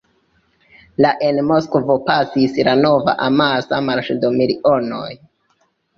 La en Moskvo pasis la nova amasa "Marŝo de milionoj".